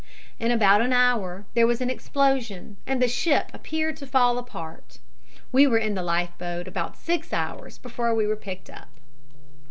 In about an hour there was an explosion and the ship appeared to fall apart. We were in the life boat about six hours before we were picked up."